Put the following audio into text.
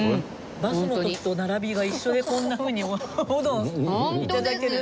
バスの時と並びが一緒でこんなふうにおうどん頂けるなんて。